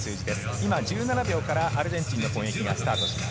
今１７秒からアルゼンチンのポイントがスタートします。